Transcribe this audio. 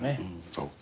そうか。